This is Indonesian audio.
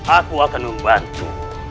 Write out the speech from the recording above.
aku akan membantu